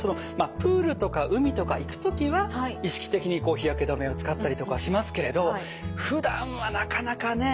プールとか海とか行く時は意識的に日焼け止めを使ったりとかはしますけれどふだんはなかなかねえ。